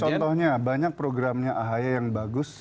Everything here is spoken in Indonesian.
contohnya banyak programnya ahi yang bagus